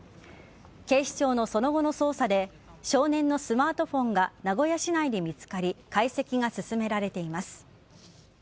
警視庁のその後の捜査で少年のスマートフォンが名古屋市内で見つかり解析が進められています。